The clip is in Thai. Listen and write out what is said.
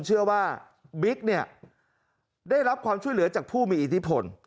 เชื่อว่าบิ๊กเนี่ยได้รับความช่วยเหลือจากผู้มีอิทธิพล